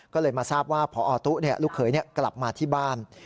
ก็เลยมาทราบว่าพอตุ๊ลูกเขยกลับมาที่บ้าน